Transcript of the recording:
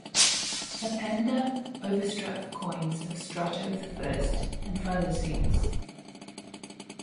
Epander overstruck coins of Strato the First and Philoxenus.